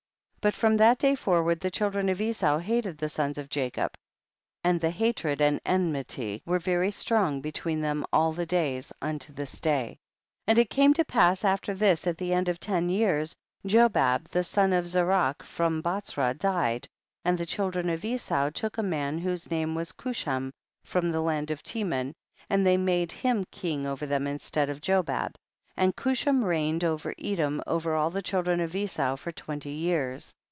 28. But from that day forward the children of Esau hated the sons of Jacob, and the hatred and enmity were very strong between them all the days, unto this day. 29. And it came to pass after this, at the end of ten years, Jobab, the son of Zarach, from Botzrah, died, and the children of Esau took a man whose name was Chusham, from the land of Teman, and they made him king over them instead of Jobab, and Chusham reigned in Edom over all the children of Esau for twenty years.